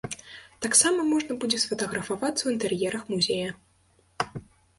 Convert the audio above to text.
Таксама можна будзе сфатаграфавацца ў інтэр'ерах музея.